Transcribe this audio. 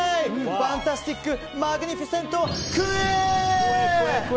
ファンタスティックマグニフィセント、クエ！